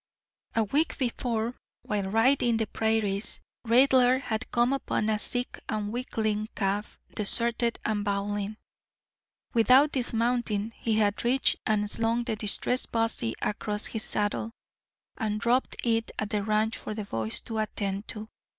A week before, while riding the prairies, Raidler had come upon a sick and weakling calf deserted and bawling. Without dismounting he had reached and slung the distressed bossy across his saddle, and dropped it at the ranch for the boys to attend to.